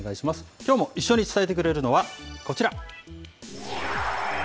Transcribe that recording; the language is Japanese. きょうも一緒に伝えてくれるのはこちら。